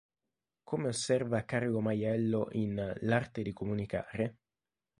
Come osserva Carlo Maiello in "L'arte di comunicare.